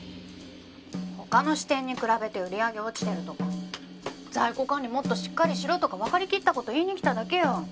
他の支店に比べて売り上げ落ちてるとか在庫管理もっとしっかりしろとかわかりきった事言いに来ただけよ。